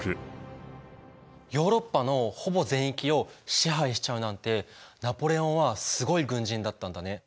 ヨーロッパのほぼ全域を支配しちゃうなんてナポレオンはすごい軍人だったんだね。